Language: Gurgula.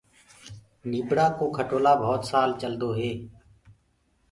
نيٚڀڙآ ڪو کٽولآ ڀوت سال چلدوئي